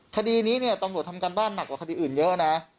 คดีนี้เนี่ยตำรวจทำการบ้านหนักกว่าคดีอื่นเยอะนะ